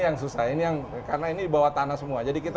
seng musha ini menandakan jadi erasmus kenyatan kira